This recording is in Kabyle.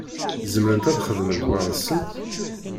Zemrent ad xedment weḥd-nsent?